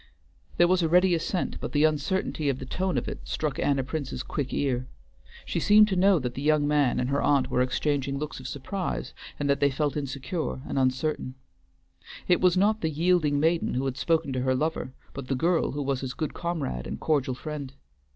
There was a ready assent, but the uncertainty of the tone of it struck Anna Prince's quick ear. She seemed to know that the young man and her aunt were exchanging looks of surprise, and that they felt insecure and uncertain. It was not the yielding maiden who had spoken to her lover, but the girl who was his good comrade and cordial friend.